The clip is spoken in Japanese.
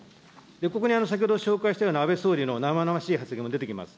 ここに先ほど紹介したような安倍総理の生々しい発言も出てきます。